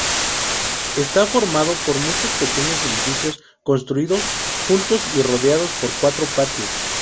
Está formado por muchos pequeños edificios construidos juntos y rodeados por cuatro patios.